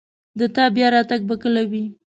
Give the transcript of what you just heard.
د تا بیا راتګ به کله وي